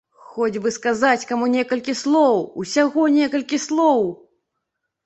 Хоць бы сказаць каму некалькі слоў, усяго некалькі слоў!